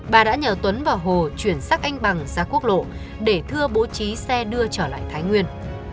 bà đã nhờ tuấn và hồ chuyển xác anh bằng ra quốc lộ để thưa bố trí xe đưa trở lại thái nguyên